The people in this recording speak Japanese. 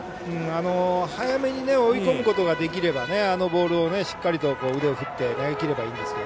早めに追い込むことができれば、あのボールをしっかりと腕を振って投げきればいいんですが。